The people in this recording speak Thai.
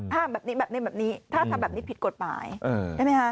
ห้ามแบบนี้แบบนี้ถ้าทำแบบนี้ผิดกฎหมายใช่ไหมคะ